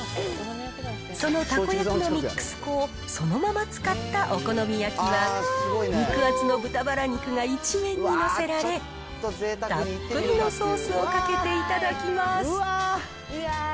そのたこ焼きのミックス粉をそのまま使ったお好み焼きは、肉厚の豚バラ肉が一面に載せられ、たっぷりのソースをかけて頂き